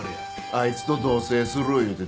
あいつと同棲する言うて出ていって。